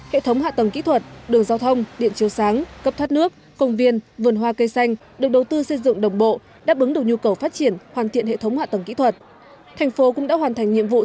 hệ thống hạ tầng kỹ thuật đường giao thông điện chiều sáng cấp thoát nước công viên vườn hoa cây xanh được đầu tư xây dựng đồng bộ đáp ứng được nhu cầu phát triển hoàn thiện hệ thống hạ tầng kỹ thuật